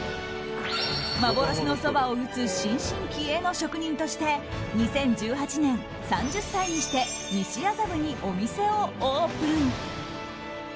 幻のそばを打つ新進気鋭の職人として２０１８年、３０歳にして西麻布にお店をオープン。